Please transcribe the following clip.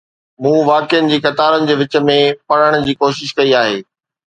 مون واقعن جي قطارن جي وچ ۾ پڙهڻ جي ڪوشش ڪئي آهي.